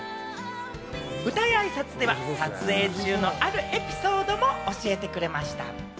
舞台挨拶では撮影中のあるエピソードも教えてくれました。